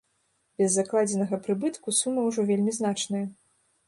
Без закладзенага прыбытку сума ўжо вельмі значная.